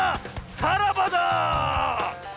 さらばだ！